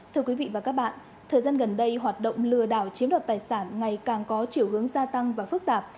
thưa quý vị và các bạn thời gian gần đây hoạt động lừa đảo chiếm đoạt tài sản ngày càng có chiều hướng gia tăng và phức tạp